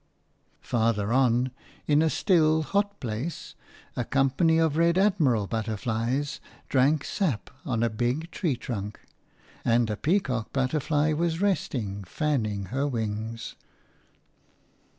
Farther on, in a still, hot place, a company of Red Admiral butterflies drank sap on a big tree trunk, and a peacock butterfly was resting, fanning her wings.